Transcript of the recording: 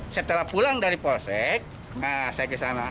setelah pulang dari polsek saya ke sana